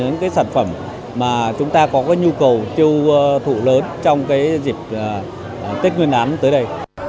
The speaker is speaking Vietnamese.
những sản phẩm mà chúng ta có nhu cầu tiêu thụ lớn trong dịp tết nguyên án tới đây